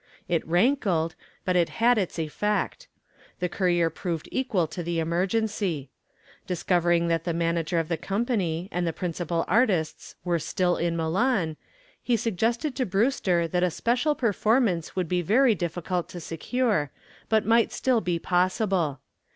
It rankled, but it had its effect. The courier proved equal to the emergency. Discovering that the manager of the company and the principal artists were still in Milan, he suggested to Brewster that a special performance would be very difficult to secure, but might still be possible.